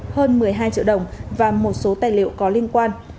hơn một mươi hai triệu đồng và một số tài liệu có liên quan